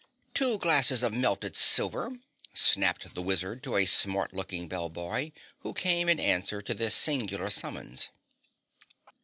"Two glasses of melted silver," snapped the wizard to a smart looking bell boy who came in answer to this singular summons.